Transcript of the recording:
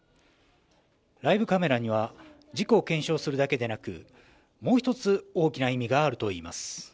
ライブカメラには、事故を検証するだけでなく、もう一つ大きな意味があるといいます。